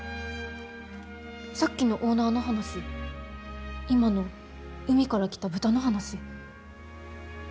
さっきのオーナーの話今の海から来た豚の話何か。